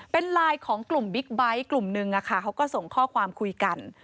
เป็นไลน์ของกลุ่มบิ๊กไบท์กลุ่มนึงเขาก็ส่งข้อความคุยกัน